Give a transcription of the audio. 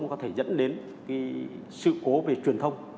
có thể dẫn đến sự cố về truyền thông